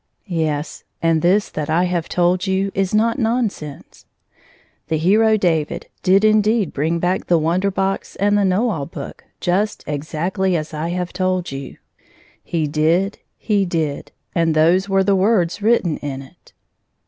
Yes ; and this that I have told you is not non sense. The hero David did indeed bring back the Wonder Box and the Know All Book just exactly as I have told you — he did — he did — and those were the words written in it.